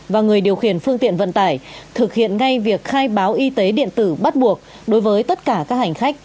và người điều khiển phương tiện vận tải thực hiện ngay việc khai báo y tế điện tử bắt buộc đối với tất cả các hành khách